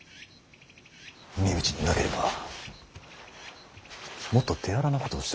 身内でなければもっと手荒なことをしておりました。